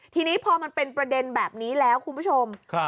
ทีนี้พอมันเป็นประเด็นแบบนี้แล้วคุณผู้ชม